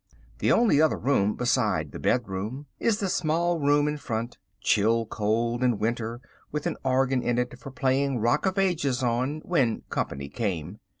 The only other room beside the bedroom is the small room in front, chill cold in winter, with an organ in it for playing "Rock of Ages" on, when company came.